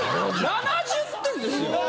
７０点ですよ。